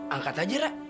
angkat aja ra